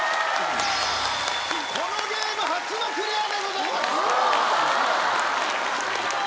このゲーム初のクリアでございます！